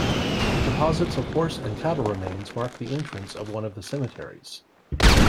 Deposits of horse and cattle remains mark the entrance of one of the cemeteries.